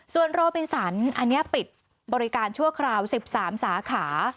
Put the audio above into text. ส่วนโรบินสันอันนี้ปิดบริการชั่วคราว๑๓สาขา